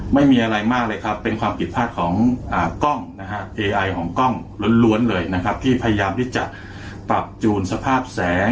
ไม่มีอะไรมากเลยครับเป็นความผิดพลาดของกล้องนะครับ